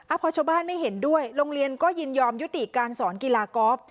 พอชาวบ้านไม่เห็นด้วยโรงเรียนก็ยินยอมยุติการสอนกีฬากอล์ฟ